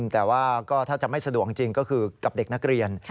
แต่ว่าก็ถ้าจะไม่สะดวกจริงก็คือกับเด็กนักเรียน